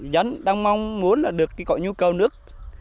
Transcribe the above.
dân đang mong muốn được cái cậu nhu cầu nước